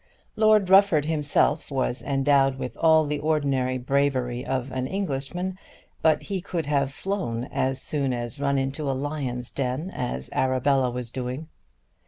Lord Rufford himself was endowed with all the ordinary bravery of an Englishman, but he could have flown as soon as run into a lion's den as Arabella was doing.